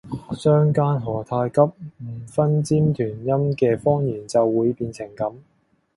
相姦何太急，唔分尖團音嘅方言就會變成噉